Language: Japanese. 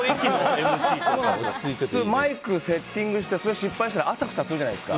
マイクセッティングして失敗したらあたふたするじゃないですか。